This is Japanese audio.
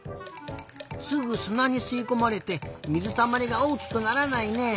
すぐすなにすいこまれて水たまりがおおきくならないね。